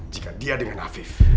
jika dia dengan afif